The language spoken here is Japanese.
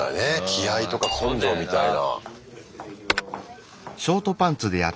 気合いとか根性みたいな。